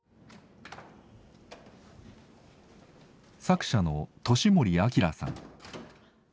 作者の年森瑛さん。